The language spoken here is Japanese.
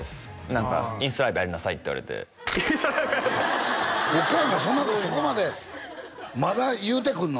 何か「インスタライブやりなさい」って言われて「インスタライブやりなさい」おかんがそこまでまだ言うてくんの？